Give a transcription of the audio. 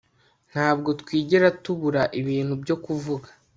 ntabwo twigera tubura ibintu byo kuvuga